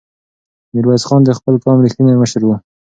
میرویس خان د خپل قوم رښتینی مشر و.